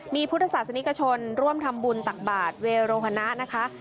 มีพุทธศาสนิกชนร่วมทำบุญตักบาทเวโรหนะนะคะ